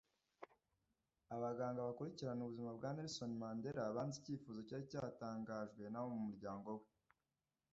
Abaganga bakurikirana ubuzima bwa Nelson Mandela banze icyifuzo cyari cyatangajwe n’abo mu muryango we